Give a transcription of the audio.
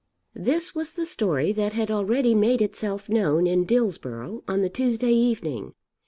This was the story that had already made itself known in Dillsborough on the Tuesday evening.